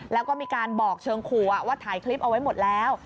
แล้วก็มีการบอกเชิงขู่ว่าถ่ายคลิปเอาไว้หมดแล้ว